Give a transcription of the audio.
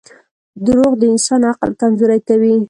• دروغ د انسان عقل کمزوری کوي.